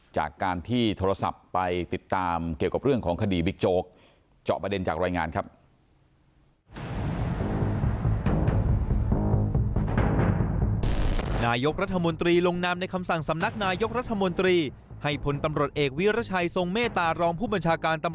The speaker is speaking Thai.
จากการที่โทรศัพท์ไปติดตามเกี่ยวกับเรื่องของคดีวิกโจก